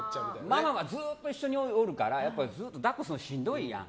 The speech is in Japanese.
ママはずっと一緒におるからやっぱり抱っこするのしんどいやん。